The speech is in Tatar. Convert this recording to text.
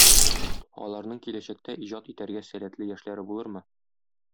Аларның киләчәктә иҗат итәргә сәләтле яшьләре булырмы?